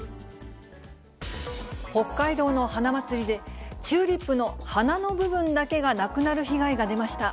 北海道の花祭りで、チューリップの花の部分だけがなくなる被害が出ました。